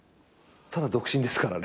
ただ独身ですからね。